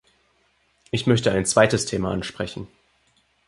Ich möchte ein zweites Thema ansprechen.